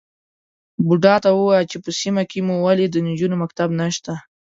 _بوډا ته ووايه چې په سيمه کې مو ولې د نجونو مکتب نشته؟